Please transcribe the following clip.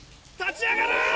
立ち上がる！